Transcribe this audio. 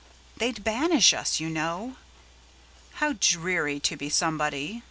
They 'd banish us, you know. How dreary to be somebody!